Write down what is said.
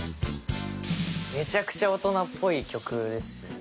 めちゃくちゃ大人っぽい曲ですよね。